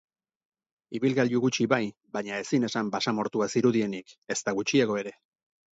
Ibilgailu gutxi bai, baina ezin esan basamortua zirudienik, ezta gutxiago ere.